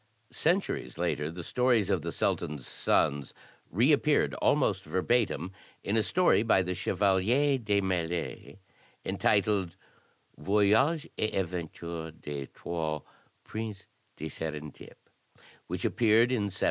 Centuries later the stories of the Sultan's sons reappeared almost verbatim in a story by the Chevalier de Mailly, entitled "Voyage et Aventure des Trois Princes de Sarendip," which appeared in 1719.